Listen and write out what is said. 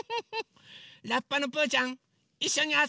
ラッパのぷうちゃんいっしょにあそびましょ！